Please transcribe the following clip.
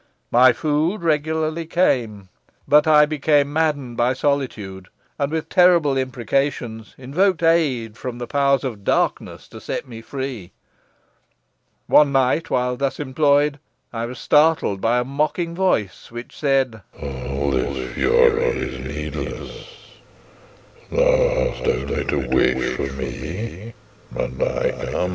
My food regularly came. But I became maddened by solitude; and with terrible imprecations invoked aid from the powers of darkness to set me free. One night, while thus employed, I was startled by a mocking voice which said, "'All this fury is needless. Thou hast only to wish for me, and I come.'